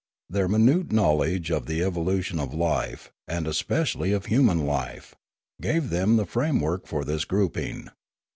Their minute knowledge of the evolution of life, and especially of human life, gave them the framework for this grouping.